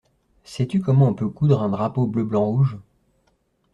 Sais-tu comment on peut coudre un drapeau bleu, blanc, rouge?